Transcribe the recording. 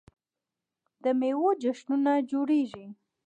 د میوو جشنونه جوړیږي.